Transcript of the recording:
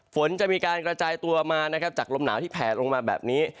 ฝนจะมีการกระจายตัวมานะครับจากลมหนาวที่แผลลงมาแบบนี้